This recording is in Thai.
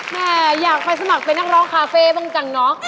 แม่อยากไปสมัครเป็นนักร้องคาเฟ่บ้างจังเนาะ